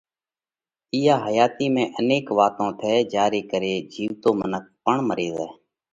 اِيئا حياتِي ۾ انيڪ واتون ٿئه جيا ري ڪري جِيوَتو منک پڻ مري زائھ۔